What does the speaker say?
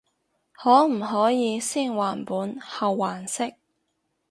可唔可以先還本後還息？